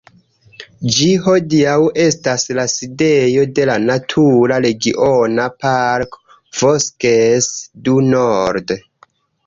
Ĝi hodiaŭ estas la sidejo de la natura regiona parko "Vosges du Nord".